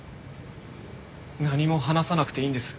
何も話さなくていいんです。